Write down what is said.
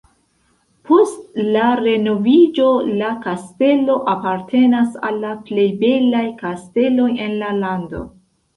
Post le renoviĝo la kastelo apartenas al la plej belaj kasteloj en la lando.